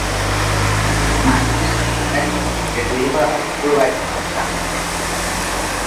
মাঝখানে একটি ফাঁকা স্থানকে ঘিরে তৈরি করা হয়েছে পুরো বাড়িটির নকশা।